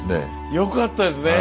よかったですね